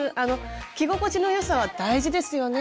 着心地のよさは大事ですよね。